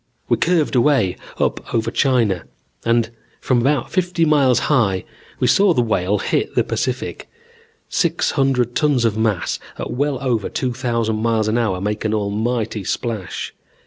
We curved away up over China and from about fifty miles high we saw the Whale hit the Pacific. Six hundred tons of mass at well over two thousand miles an hour make an almighty splash.